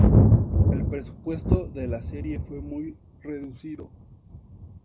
El presupuesto de la serie fue muy reducido.